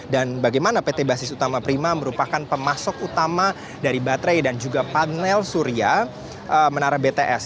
dan bagaimana pt basis utama prima merupakan pemasok utama dari baterai dan juga panel surya menara bts